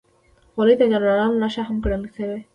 خولۍ د جنرالانو نښه هم ګڼل شوې.